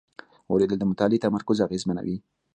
اورېدل د مطالعې تمرکز اغېزمنوي.